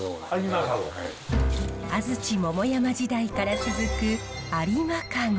安土桃山時代から続く有馬籠。